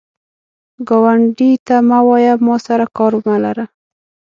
ګاونډي ته مه وایه “ما سره کار مه لره”